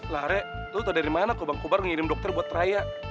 lah rai lu tau dari mana kok bang kobar ngirim dokter buat raya